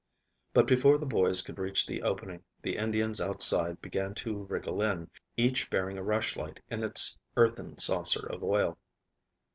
But, before the boys could reach the opening, the Indians outside began to wriggle in, each bearing a rushlight in its earthen saucer of oil.